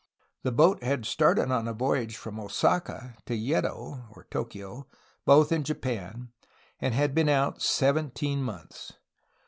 The boat had started on a voyage from Osaka to Yeddo (Tokio), both in Japan, and had been out seven teen months.